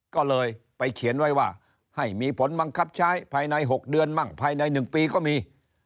ก็เลยไปเขียนไว้ว่าให้มีผลบังคับใช้ภายใน๖เดือนมั่งภายใน๑ปีก็มี